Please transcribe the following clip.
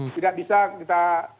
tidak bisa kita